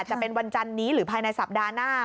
จะเป็นวันจันนี้หรือภายในสัปดาห์หน้า